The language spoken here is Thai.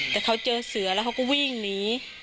แต่เขาเจอเสือแล้วเขาก็วิ่งหนี